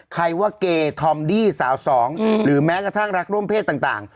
ใครว่าเกธอมดี้สาวสองหรือแม้กระทั่งรักร่วมเพศต่าง